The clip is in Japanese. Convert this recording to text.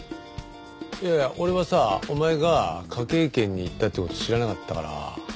いやいや俺はさお前が科警研に行ったって事知らなかったから。